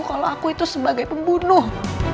kalau aku itu sebagai pembunuh